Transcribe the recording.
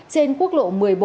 trên quốc lộ một mươi bốn